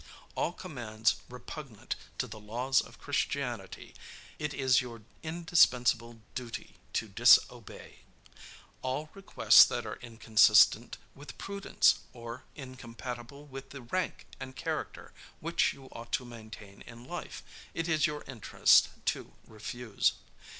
All commands repugnant to the laws of christianity, it is your indispensable duty to disobey. All requests that are inconsistent with prudence, or incompatible with the rank and character which you ought to maintain in life, it is your interest to refuse.